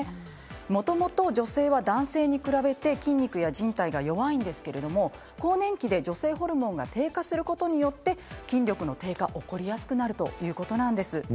もともと女性は男性に比べて筋肉やじん帯が弱いんですが更年期で女性ホルモンが低下することによって筋力の低下が起こりやすくなるんです。